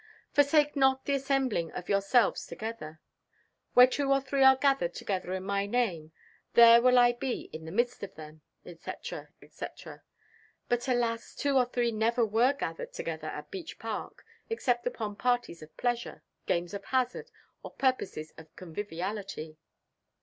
"Forsake not the assembling of yourselves together." "Where two or three are gathered together in my name, there will I be in the midst of them," etc. etc. But alas! two or three never were gathered together at Beech Park, except upon parties of pleasure, games of hazard, or purposes of conviviality.